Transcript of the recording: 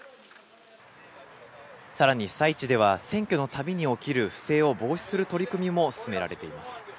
さらに、被災地では、選挙のたびに起きる不正を防止する取り組みも進められています。